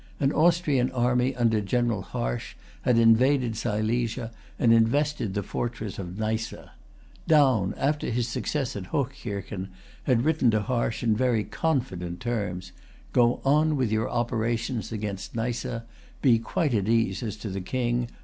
An Austrian army under General Harsch had invaded Silesia, and invested the fortress of Neisse. Daun, after his success at Hochkirchen, had written to Harsch in very confident terms: "Go on with your operations against Neisse. Be quite at ease as to the King.